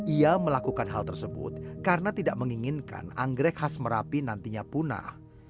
ia melakukan hal tersebut karena tidak menginginkan anggrek khas merapi nantinya punah